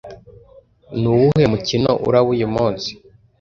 Nuwuhe mukino uraba uyu munsi